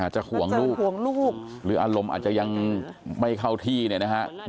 ห่วงลูกห่วงลูกหรืออารมณ์อาจจะยังไม่เข้าที่เนี่ยนะฮะ